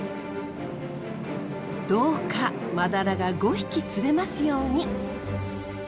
どうかマダラが５匹釣れますように。